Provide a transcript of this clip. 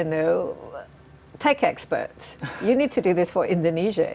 anda harus melakukannya untuk indonesia